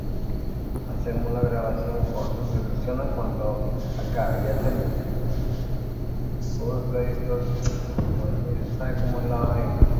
Es un helecho con rizoma erecto, estípite marrón, escalas angosto-lanceoladas.